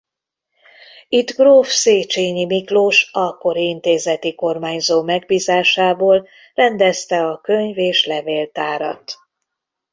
Itt gróf Széchenyi Miklós akkori intézeti kormányzó megbízásából rendezte a könyv- és levéltárat.